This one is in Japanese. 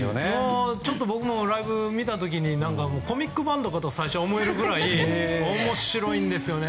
ちょっと僕もライブ見た時にコミックバンドかと最初は思えるぐらい面白いんですね。